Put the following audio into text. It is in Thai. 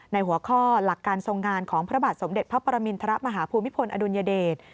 ในหัวข้อหลักการทรงงานของพระบาทสมเด็จพระปรมินทรมาฮภูมิพลอดุลยเดช